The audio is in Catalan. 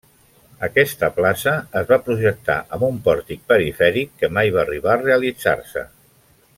Aquesta plaça es va projectar amb un pòrtic perifèric que mai va arribar a realitzar-se.